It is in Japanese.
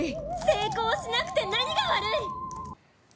成功しなくて何が悪い！